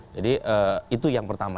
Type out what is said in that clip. jadi itu yang pertama